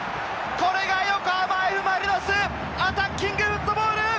これが横浜Ｆ・マリノス、アタッキングフッドボール！